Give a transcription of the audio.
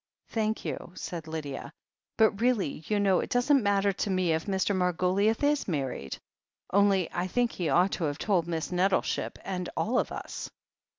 "Thank you," said Lydia. "But really, you know, it doesn't matter to me if Mr. Margoliouth is married. Only I think he ought to have told Miss Nettleship, and — and all of us."